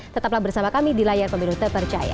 tetaplah bersama kami di layar pemilu terpercaya